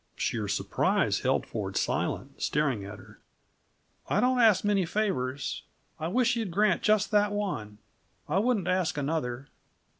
Sheer surprise held Ford silent, staring at her. "I don't ask many favors I wish you'd grant just that one. I wouldn't ask another."